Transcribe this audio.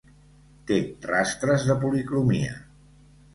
Té rastres de policromia.